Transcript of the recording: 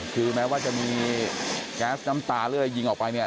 คือแม้ว่าจะมีแก๊สน้ำตาเลื่อยยิงออกไปเนี่ย